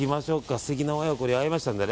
素敵な親子に会えましたのでね。